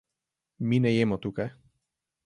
Mi ne jemo tukaj.